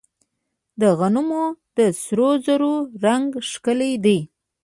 د غنمو د سرو زرو رنګ ښکلی دی.